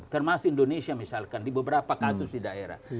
termasuk indonesia misalkan di beberapa kasus di daerah